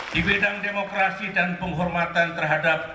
di bidang demokrasi dan penghormatan terhadap